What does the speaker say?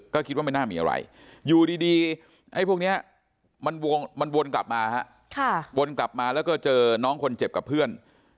ก็คิดว่าไม่น่ามีอะไรอยู่ดีไอ้พวกนี้มันวนกลับมาฮะวนกลับมาแล้วก็เจอน้องคนเจ็บกับเพื่อน